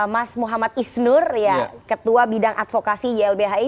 mas muhammad isnur ketua bidang advokasi ylbhi